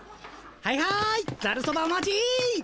はいはいざるそばお待ち！